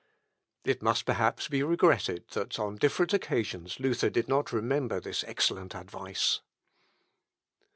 It must perhaps be regretted, that on different occasions Luther did not remember this excellent advice.